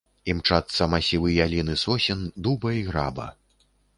Імчацца масівы ялін і сосен, дуба і граба.